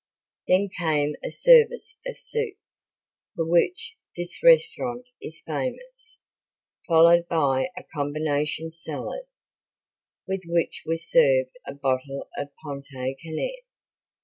Then came a service of soup, for which this restaurant is famous, followed by a combination salad, with which was served a bottle of Pontet Canet.